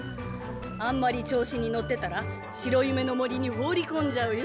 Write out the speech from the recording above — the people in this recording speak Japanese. あんまり調子に乗ってたら白夢の森に放り込んじゃうよ。